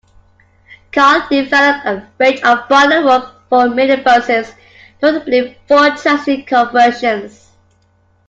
Carlyle developed a range of bodywork for minibuses, notably Ford Transit conversions.